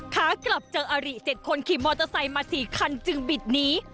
ขากลับเจออาริ๗คนขี่มอเตอร์ไซค์มา๔คันจึงบิดหนี